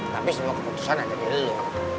tapi semua keputusan ada di lo